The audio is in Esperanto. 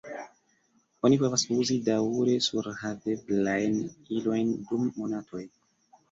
Oni povas uzi daŭre surhaveblajn ilojn dum monatoj.